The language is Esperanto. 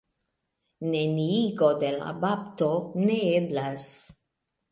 Neniigo de la bapto ne eblas.